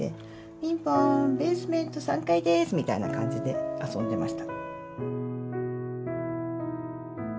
「ピンポンベースメント３階です」みたいな感じで遊んでました。